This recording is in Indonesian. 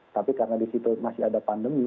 tapi karena di situ masih ada pandemi